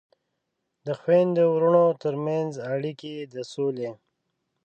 د خویندو ورونو ترمنځ اړیکې د سولې